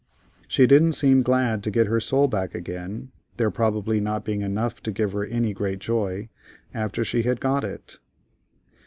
She didn't seem glad to get her soul back again, there probably not being enough to give her any great joy, after she had got it.